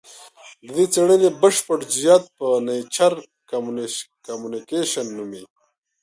د دې څېړنې بشپړ جزیات په نېچر کمونیکشن نومې